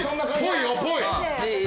ぽいよぽい。